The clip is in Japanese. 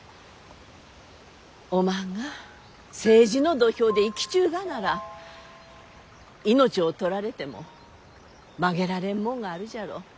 おまんが政治の土俵で生きちゅうがなら命を取られても曲げられんもんがあるじゃろう。